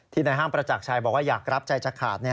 ในห้างประจักรชัยบอกว่าอยากรับใจจะขาด